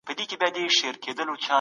د خبرو پر مهال بل ته غوږ شئ.